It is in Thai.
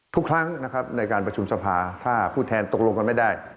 ทุกครั้งนะครับในการประชุมสภาถ้าผู้แทนตกลงกันไม่ได้